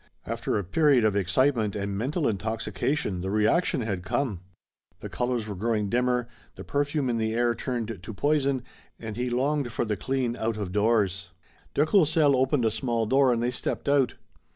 After a period of excitement and mental intoxication the reaction had come. The colors were growing dimmer, the perfume in the air turned to poison, and he longed for the clean out of doors. De Courcelles opened a small door and they stepped out.